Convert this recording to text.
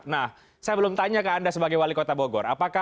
nah saya belum tanya ke anda sebagai wali kota bogor